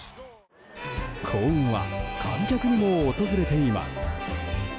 幸運は観客にも訪れています。